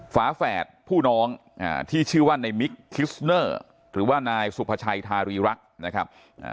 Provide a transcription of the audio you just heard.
ฝาแฝดผู้น้องที่ชื่อว่าในมิกคิสเนอร์หรือว่านายสุภาชัยทารีรักษ์นะครับ